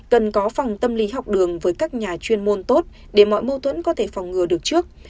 cần có phòng tâm lý học đường với các nhà chuyên môn tốt để mọi mâu thuẫn có thể phòng ngừa được trước